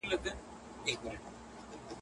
زاهده مه راوړه محفل ته توبه ګاري کیسې.